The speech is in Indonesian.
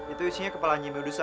itu isinya kepala nyai medusa